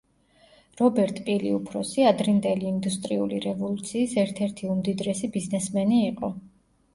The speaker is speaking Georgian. რობერტ პილი უფროსი, ადრინდელი ინდუსტრიული რევოლუციის ერთ-ერთი უმდიდრესი ბიზნესმენი იყო.